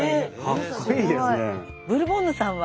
ブルボンヌさんは？